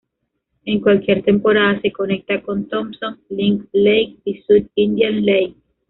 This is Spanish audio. En cualquier temporada se conecta con Thompson, Lynn Lake y South Indian Lake.